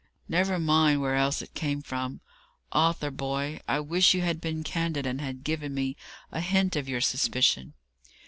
"Never mind where else it came from. Arthur boy, I wish you had been candid, and had given me a hint of your suspicion."